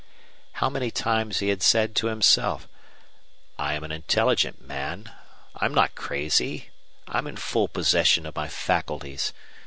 How many times he had said to himself: "I am an intelligent man. I'm not crazy. I'm in full possession of my faculties.